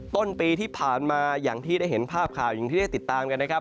ต้นปีที่ผ่านมาอย่างที่ได้เห็นภาพข่าวอย่างที่ได้ติดตามกันนะครับ